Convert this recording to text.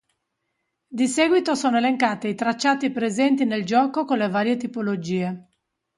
Di seguito sono elencate i tracciati presenti nel gioco con le varie tipologie.